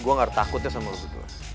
gue gak ada takutnya sama lu berdua